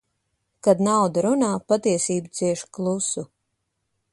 Kad nauda runā, patiesība cieš klusu.